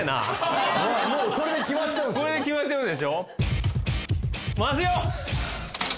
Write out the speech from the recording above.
もうそれで決まっちゃうんすよ